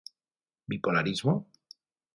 Bipolarismo?